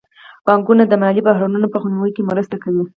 بانکونه د مالي بحرانونو په مخنیوي کې مرسته کوي.